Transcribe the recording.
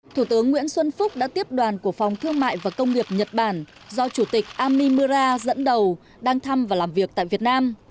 thủ tướng nguyễn xuân phúc đã tiếp đoàn của phòng thương mại và công nghiệp nhật bản do chủ tịch amimura dẫn đầu đang thăm và làm việc tại việt nam